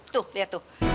tuh lihat tuh